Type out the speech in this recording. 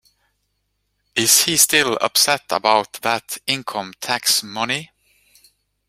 Is he still upset about that income-tax money?